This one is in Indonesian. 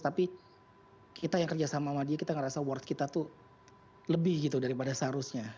tapi kita yang kerja sama sama dia kita ngerasa award kita tuh lebih gitu daripada seharusnya